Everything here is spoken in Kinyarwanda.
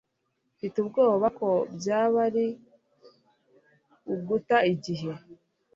mfite ubwoba ko byaba ari uguta igihe